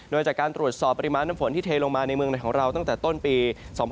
โดยจากการตรวจสอบปริมาณน้ำฝนที่เทลงมาในเมืองในของเราตั้งแต่ต้นปี๒๕๕๙